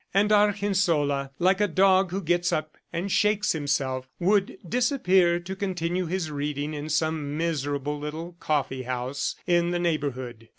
And Argensola, like a dog who gets up and shakes himself, would disappear to continue his reading in some miserable little coffee house in the neighborhood.